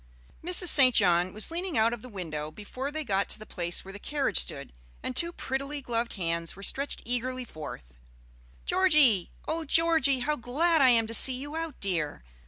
Mrs. St. John was leaning out of the window before they got to the place where the carriage stood, and two prettily gloved hands were stretched eagerly forth. "Georgie! oh Georgie, how glad I am to see you out, dear!